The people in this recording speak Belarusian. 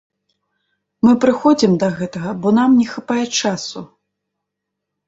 Мы прыходзім да гэтага, бо нам не хапае часу.